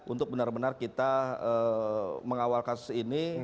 untuk benar benar kita mengawal kasus ini